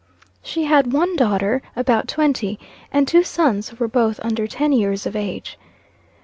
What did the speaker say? She had one daughter about twenty, and two sons who were both under ten years of age.